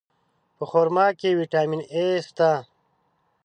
په خرما کې ویټامین A شته.